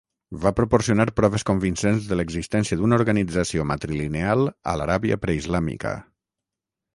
Va proporcionar proves convincents de l'existència d'una organització matrilineal a l'Aràbia preislàmica.